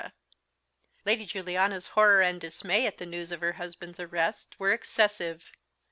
Lady Juliana's horror and dismay at the news of her husband's arrest were excessive.